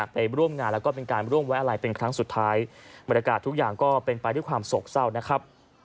ไปร่วมงานแล้วก็เป็นการร่วมไว้อะไรเป็นครั้งสุดท้ายบรรยากาศทุกอย่างก็เป็นไปด้วยความโศกเศร้านะครับ